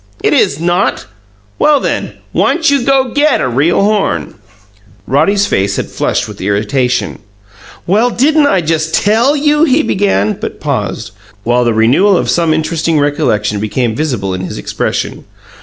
"It is not!" "Well, then, why'n't you go GET a real horn?" Roddy's face had flushed with irritation. "Well, didn't I just TELL you " he began, but paused, while the renewal of some interesting recollection became visible in his expression.